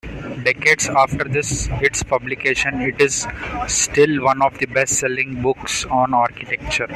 Decades after its publication, it is still one of the best-selling books on architecture.